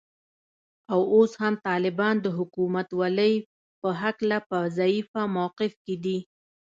او اوس هم طالبان د حکومتولې په هکله په ضعیفه موقف کې دي